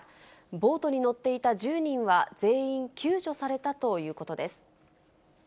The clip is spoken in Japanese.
ボートに乗っていた１０人は全員救助されたということです。